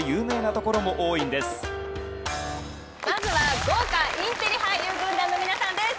まずは豪華インテリ俳優軍団の皆さんです。